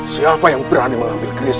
siapa yang berani mengambil krisis